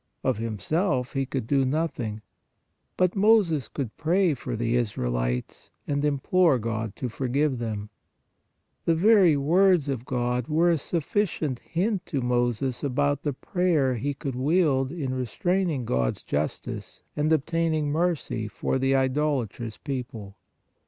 Of himself he could do nothing! But Moses could pray for the Israelites and implore God to forgive them. The very words of God were a sufficient hint to Moses about the power he could wield in re straining God s justice and obtaining mercy for the idolatrous people.